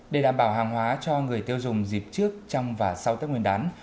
để đảm bảo hàng hóa cho người tiêu dùng dịp trước trong và sau tết nguyên đán